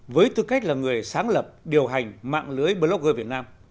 với tư cách là người sáng lập điều hành mạng lưới blogger việt nam